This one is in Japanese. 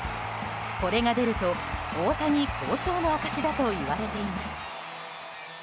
これが出ると大谷好調の証しだといわれています。